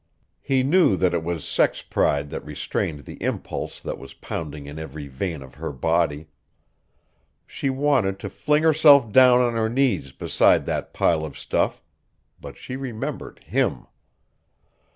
He knew that it was sex pride that restrained the impulse that was pounding in every vein of her body. She wanted to fling herself down on her knees beside that pile of stuff but she remembered HIM!